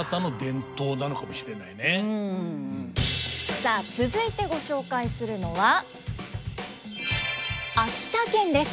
さあ続いてご紹介するのは秋田県です。